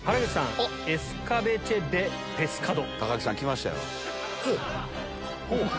これがエスカベチェ・デ・ペスカド！